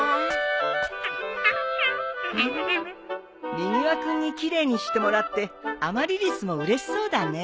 みぎわ君に奇麗にしてもらってアマリリスもうれしそうだね。